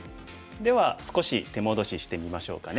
では少し手戻ししてみましょうかね。